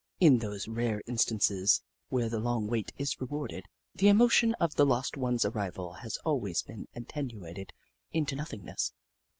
In those rare in stances where the long wait is rewarded, the emotion of the lost one's arrival has always been attenuated into nothingness.